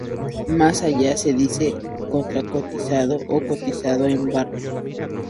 Más allá, se dice contra-cotizado o cotizado en barra.